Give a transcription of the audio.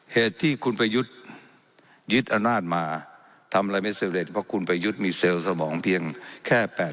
เหตุที่คุณพายุทธิ์ยึดอรรนาศมาทำอะไรไม่เสร็จเพราะคุณพายุทธิ์มีเซลล์สมองเพียงแค่๘๔๐๐๐เซลล์เท่านั้น